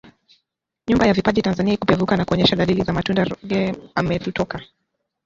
nyumba ya vipaji Tanzania kupevuka na kuonyesha dalili za matunda Ruge ametutoka